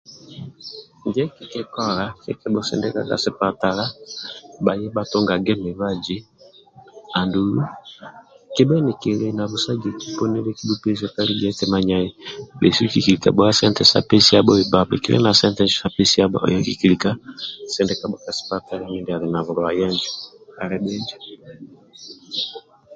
Ndie kikikola kikibhusindika ka sipatala bhaye bhatungange mibazi andulu kibhe nikili na busagiki poni ndie kikibhupesia kali gia eti manyae bhesu kikilika bhuwa sente sa pesiabho bba bhikili na sente sa pesiabho mindia ali na bulwaye bhinjo